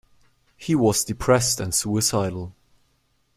He was depressed and suicidal.